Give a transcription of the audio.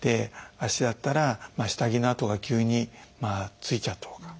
足だったら下着の跡が急についちゃうとか